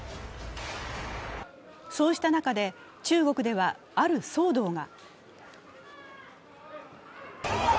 そうした中で、中国では、ある騒動が。